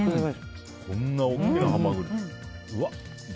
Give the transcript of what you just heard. こんな大きなハマグリ。